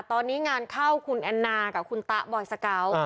ตอนนี้งานเข้าคุณแอนนากับคุณตะบอยสเกาะ